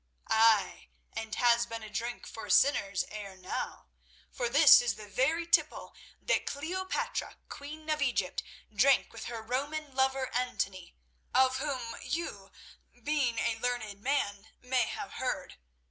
"Ay, and has been a drink for sinners ere now—for this is the very tipple that Cleopatra, Queen of Egypt, drank with her Roman lover Antony, of whom you, being a learned man, may have heard.